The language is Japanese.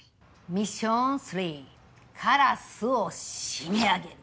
ミッション３カラスを締め上げる。